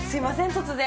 突然。